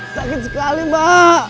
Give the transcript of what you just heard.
sakit sekali ma